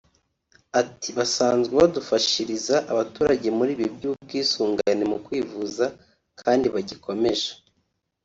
Ati “Basanzwe badufashiriza abaturage muri ibi by’ubwisungane mu kwivuza kandi bagikomeje